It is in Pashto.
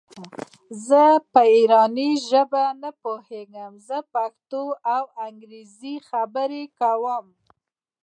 زه په ایراني ژبه نه پوهېږم زه پښتو او انګرېزي خبري کوم.